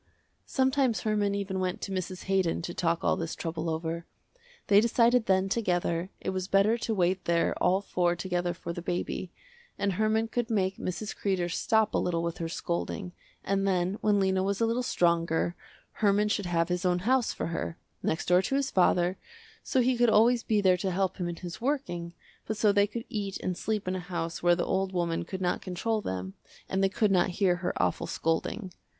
Sometimes Herman even went to Mrs. Haydon to talk all this trouble over. They decided then together, it was better to wait there all four together for the baby, and Herman could make Mrs. Kreder stop a little with her scolding, and then when Lena was a little stronger, Herman should have his own house for her, next door to his father, so he could always be there to help him in his working, but so they could eat and sleep in a house where the old woman could not control them and they could not hear her awful scolding.